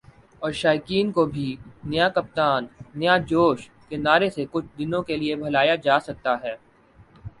اور شائقین کو بھی "نیا کپتان ، نیا جوش" کے نعرے سے کچھ دنوں کے لیے بہلایا جاسکتا ہے ۔